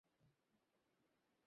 কোনো সমস্যা আছে, ক্যাপ্টেন?